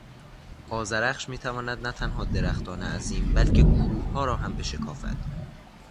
آذرخش میتواند نه تنها درختان عظیم بلکه کوهها را هم بشکافد.